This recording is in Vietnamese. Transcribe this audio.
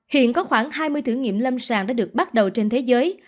hiện có khoảng hai mươi thử nghiệm lâm sàng đã được bắt đầu trên thế giới